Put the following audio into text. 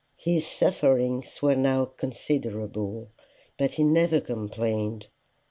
His sufferings were now considerable, but he never complained.